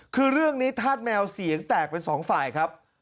คือเรื่องนี้ธาตุแมว๔หลายธุ์แตกเป็น๒ฝ่ายครับ